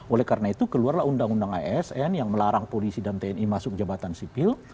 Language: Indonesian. oleh karena itu keluarlah undang undang asn yang melarang polisi dan tni masuk jabatan sipil